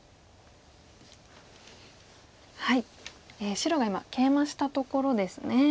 白が今ケイマしたところですね。